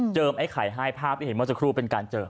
ไอ้ไข่ให้ภาพที่เห็นเมื่อสักครู่เป็นการเจิม